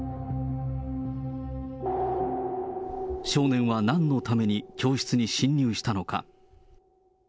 少年はなんのために教室に侵入したのか。